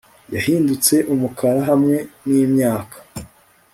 yahindutse umukara hamwe n'imyaka